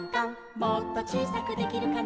「もっとちいさくできるかな」